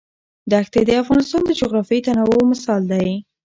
دښتې د افغانستان د جغرافیوي تنوع مثال دی.